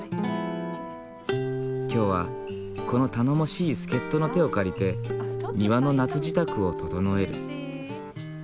今日はこの頼もしい助っ人の手を借りて庭の夏支度を整える。